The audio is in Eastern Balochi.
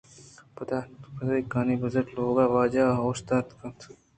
پدیانکانی برز ءَ لوگ ءِ واجہ اوشتاتگ اَت